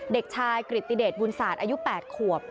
เด็กชายกริตติเดชบุญศาสตร์อายุ๘ขวบ